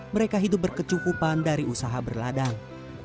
mereka hidup berkecukupan dari usaha berladang